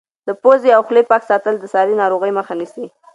د پوزې او خولې پاک ساتل د ساري ناروغیو مخه نیسي.